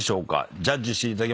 ジャッジしていただきましょう。